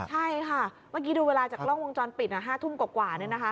ใช่ค่ะเมื่อกี้ดูเวลาจากกล้องวงจรปิดอ่ะฮะทุ่มกว่าเนี่ยนะคะ